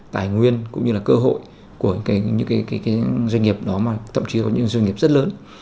tài nguyên cũng như là cơ hội của những doanh nghiệp đó mà thậm chí có những doanh nghiệp rất lớn